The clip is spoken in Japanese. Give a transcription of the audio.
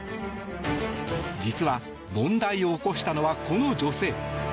実は、問題を起こしたのはこの女性。